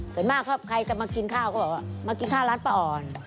ส่วนมากครับใครจะมากินข้าวก็บอกว่ามากินข้าวร้านป้าอ่อน